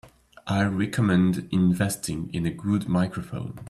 I recommend investing in a good microphone.